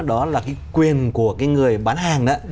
đó là cái quyền của người bán hàng